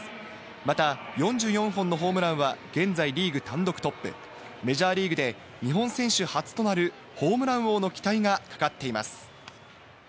また、４４本のホームランは現在リーグ単独トップ、メジャーリーグで日本選手初となるホームラン王の期待がかかっています。